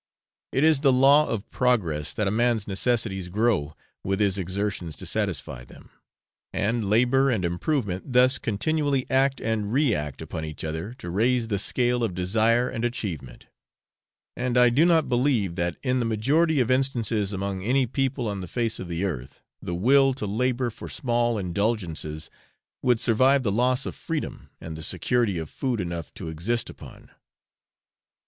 It is the law of progress that a man's necessities grow with his exertions to satisfy them, and labour and improvement thus continually act and react upon each other to raise the scale of desire and achievement; and I do not believe that, in the majority of instances among any people on the face of the earth, the will to labour for small indulgences would survive the loss of freedom and the security of food enough to exist upon.